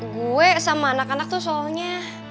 gue sama anak anak tuh soalnya